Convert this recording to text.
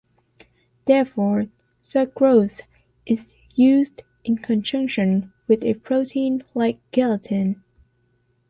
Therefore, sucrose is used in conjunction with a protein like gelatin.